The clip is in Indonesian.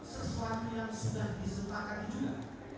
sesuatu yang sudah disepakati juga